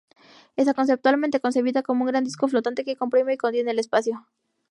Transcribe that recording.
Está conceptualmente concebida como un gran disco flotante que comprime y contiene el espacio.